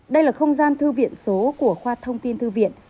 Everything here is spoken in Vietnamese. đây là không gian thư viện số của khoa thông tin thư viện